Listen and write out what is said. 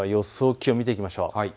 気温を見ていきましょう。